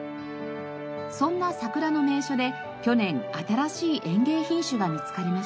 そんな桜の名所で去年新しい園芸品種が見つかりました。